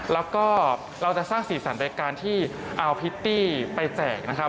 เราสร้างสีสันด้วยการที่เอาพิตตี้ไปแจกนะครับ